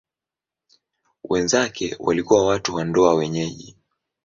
Wenzake walikuwa watu wa ndoa wenyeji.